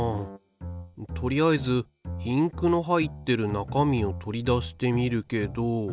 とりあえずインクの入ってる中身を取り出してみるけど。